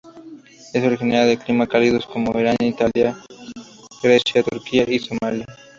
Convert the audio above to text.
Es originaria de climas cálidos como Irán, Italia, Grecia, Turquía y Somalia.